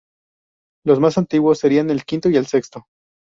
Los más antiguos serían el quinto y el sexto.